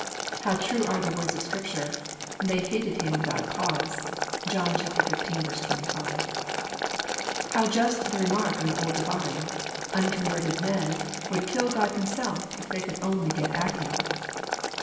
How true are the words of Scripture :" They hated Him without a cause." (John XV. 25.) How just the remark of an old divine :" Unco& verted men would kill God Himself if they could only gew at Him.'